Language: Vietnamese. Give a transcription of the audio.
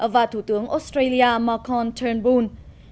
và thủ tướng australia marcon turnbull